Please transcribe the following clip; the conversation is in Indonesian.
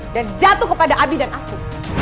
dan jatuh kepada abi dan aku